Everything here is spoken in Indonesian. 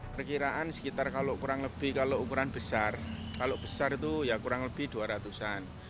perkiraan sekitar kalau kurang lebih kalau ukuran besar kalau besar itu ya kurang lebih dua ratus an